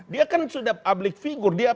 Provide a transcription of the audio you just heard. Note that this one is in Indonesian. dia kan sudah public figure dia